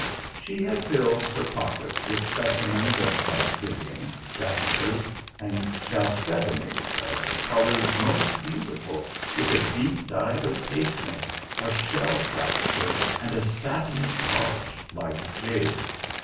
She had filled her pockets with specimens of obsidian, jaspers, and chalcedonies, of colors most beautiful, with a deep dyed opaqueness, a shell fracture, and a satiny polish like jade.